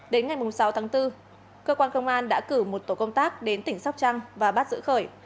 đến ngày sáu tháng bốn cơ quan công an đã cử một tổ công tác đến tỉnh sóc trăng và bắt giữ khởi